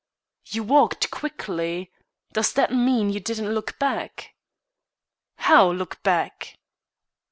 "You walked quickly. Does that mean you didn't look back?" "How, look back?"